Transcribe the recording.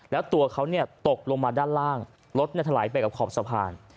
แล้วตัวเขาตกลงมาด้านล่างรถถลายไปกับขอบสะพาน